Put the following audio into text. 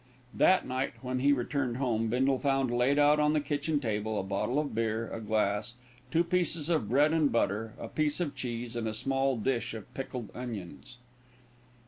That night, when he returned home, Bindle found laid out on the kitchen table, a bottle of beer, a glass, two pieces of bread and butter, a piece of cheese and a small dish of pickled onions.